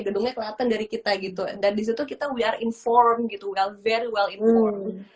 gedungnya kelihatan dari kita gitu dan disitu kita we are inform gitu well fair well inform